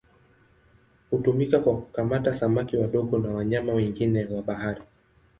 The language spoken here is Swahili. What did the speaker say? Hutumika kwa kukamata samaki wadogo na wanyama wengine wa bahari.